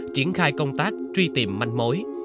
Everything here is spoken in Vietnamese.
triển khai công tác truy tìm manh mối